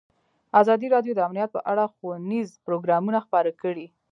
ازادي راډیو د امنیت په اړه ښوونیز پروګرامونه خپاره کړي.